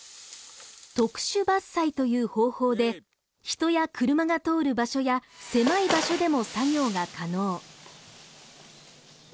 特殊伐採という方法で人や車が通る場所や狭い場所でも作業が可能。